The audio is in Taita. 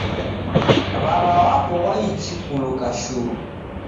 W'aw'a wapo waichi kuluka shuu